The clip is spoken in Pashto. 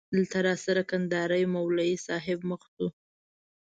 دلته راسره کندهاری مولوی صاحب مخ شو.